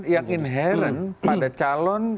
yang inherent pada calon